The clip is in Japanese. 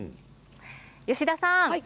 吉田さん